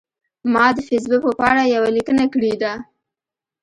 ما د فیسبوک په پاڼه یوه لیکنه کړې ده.